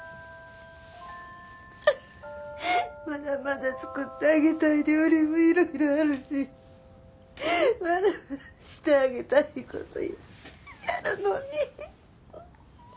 まだまだ作ってあげたい料理もいろいろあるしまだまだしてあげたい事いっぱいあるのに。